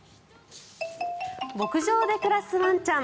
牧場で暮らすワンちゃん。